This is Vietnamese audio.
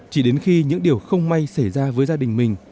chỉ đến khi những điều không may xảy ra với gia đình mình